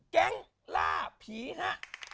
แก๊งล่าผีฮะ